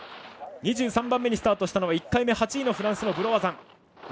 ２３番目にスタートしたのは１回目８位のフランスのブロワザン。